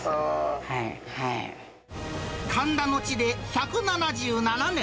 神田の地で１７７年。